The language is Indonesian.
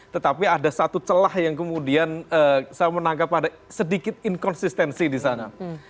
tetapi ada satu celah yang kemudian saya menangkap ada sedikit inkonsistensi di sana